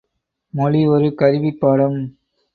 மொழி ஒரு கருவிப் பாடம்.